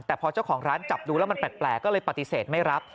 แต่พอเจ้าของร้านจับดูแล้วมันแปลกก็เลยปฏิเสธไม่รับ